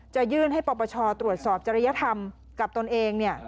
จะยื่นให้ปปชตรวจสอบจริยธรรมกับตนเอง